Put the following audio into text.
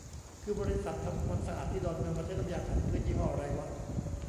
คือบริษัททำความสะอาดที่ดอนเมืองมันใช้น้ำยาขัดพื้นยี่ห้อไรวะ